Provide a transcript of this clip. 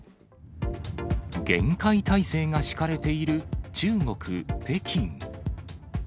厳戒態勢が敷かれている中国・北京。